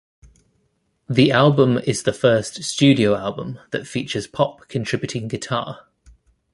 The album is the first studio album that features Pop contributing guitar.